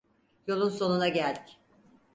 Yolun sonuna geldik.